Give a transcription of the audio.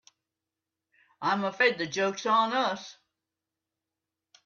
I'm afraid the joke's on us.